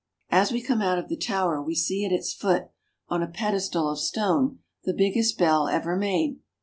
As we come out of the Tower we see at its foot, on a pedestal of stone, the big gest bell ever made.